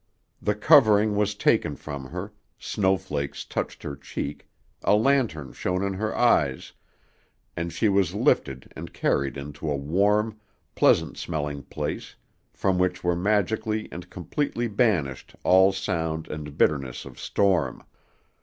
The covering was taken from her, snowflakes touched her cheek, a lantern shone in her eyes, and she was lifted and carried into a warm, pleasant smelling place from which were magically and completely banished all sound and bitterness of storm.